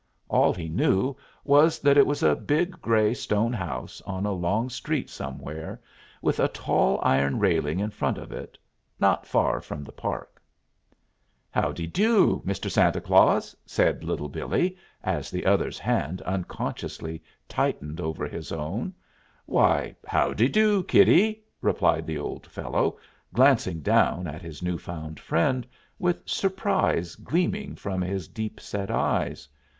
All he knew was that it was a big gray stone house on a long street somewhere, with a tall iron railing in front of it, not far from the park. "Howdidoo, Mr. Santa Claus?" said Little Billee, as the other's hand unconsciously tightened over his own. "Why, howdidoo, kiddie?" replied the old fellow, glancing down at his new found friend, with surprise gleaming from his deep set eyes.